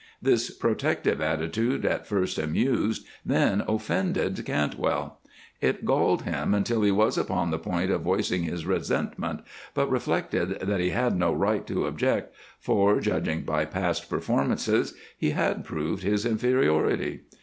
This protective attitude at first amused, then offended Cantwell; it galled him until he was upon the point of voicing his resentment, but reflected that he had no right to object, for, judging by past performances, he had proved his inferiority.